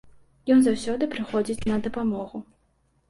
Ён заўсёды прыходзіць на дапамогу.